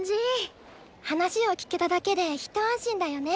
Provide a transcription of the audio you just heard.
話を聞けただけで一安心だよね。